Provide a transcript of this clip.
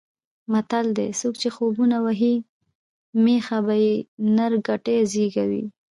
متل دی: څوک چې خوبونه وهي مېښه به یې نر کټي زېږوي.